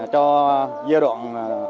cho giai đoạn